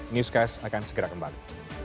newscast akan segera kembali